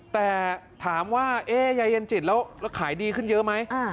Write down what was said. แต่ถามว่ายายเย็นจิตแล้วขายดีขึ้นเยอะไหม